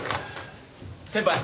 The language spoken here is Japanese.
先輩。